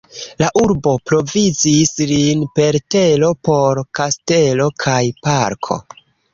La urbo provizis lin per tero por kastelo kaj parko.